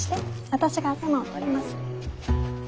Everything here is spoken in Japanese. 私が頭を取ります。